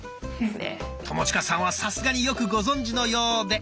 友近さんはさすがによくご存じのようで。